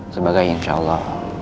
sebagai insya allah